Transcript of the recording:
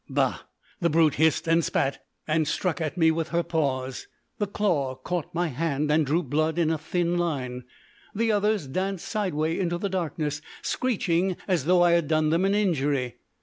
Bah! The brute hissed and spat, and struck at me with her paws. The claw caught my hand and drew blood in a thin line. The others danced sideways into the darkness, screeching, as though I had done them an injury.